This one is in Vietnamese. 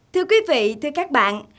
thưa quý vị thưa các bạn